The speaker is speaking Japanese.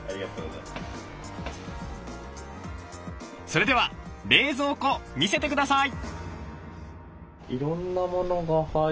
それでは冷蔵庫見せてください。